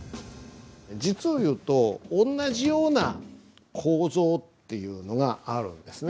実を言うと同じような構造っていうのがあるんですね。